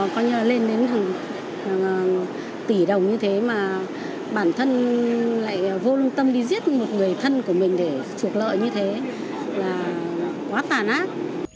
coi như là lên đến hàng tỷ đồng như thế mà bản thân lại vô tâm đi giết một người thân của mình để trục lợi như thế là quá tàn ác